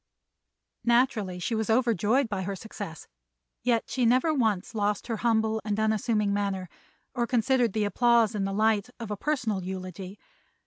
Naturally she was overjoyed by her success, yet she never once lost her humble and unassuming manner or considered the applause in the light of a personal eulogy.